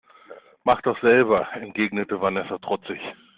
Mach doch selber, entgegnete Vanessa trotzig.